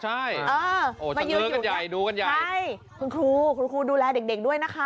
ใช่เออกันใหญ่ดูกันใหญ่ใช่คุณครูคุณครูดูแลเด็กด้วยนะคะ